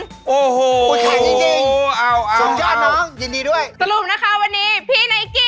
สุโคไทยครับสุโคไทยครับสุโคไทยครับ